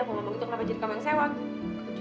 mau ngomong itu kenapa jadi kambang sewak